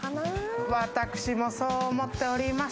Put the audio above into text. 私もそう思っております。